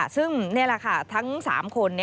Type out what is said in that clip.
ซึ่งนี่แหละค่ะทั้ง๓คน